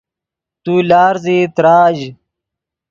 تو لارزیئی تراژ